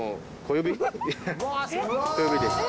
小指です。